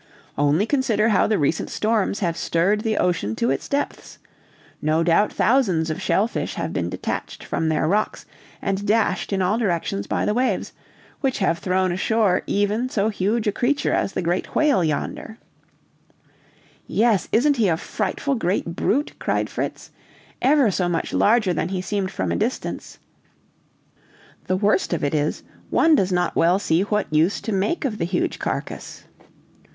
"Only consider how the recent storms have stirred the ocean to its depths! No doubt thousands of shell fish have been detached from their rocks and dashed in all directions by the waves, which have thrown ashore even so huge a creature as the whale yonder." "Yes; isn't he a frightful great brute!" cried Fritz. "Ever so much larger than he seemed from a distance. The worst of it is, one does not well see what use to make of the huge carcase."